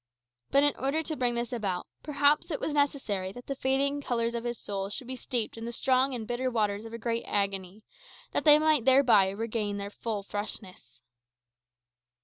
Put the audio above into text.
But in order to bring this about, perhaps it was necessary that the faded colours of his soul should be steeped in the strong and bitter waters of a great agony, that they might regain thereby their full freshness.